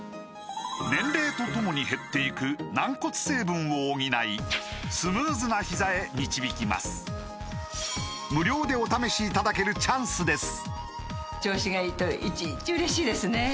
年齢とともに減っていく軟骨成分を補いスムーズなひざへ導きます無料でお試しいただけるチャンスです